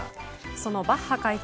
そのバッハ会長